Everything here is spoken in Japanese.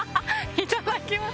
いただきます。